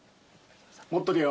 持っとけよ。